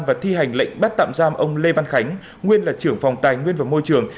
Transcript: và thi hành lệnh bắt tạm giam ông lê văn khánh nguyên là trưởng phòng tài nguyên và môi trường